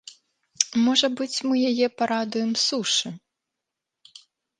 Можа быць, мы яе парадуем сушы.